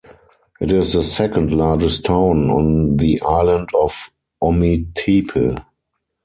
It is the second largest town on the island of Ometepe.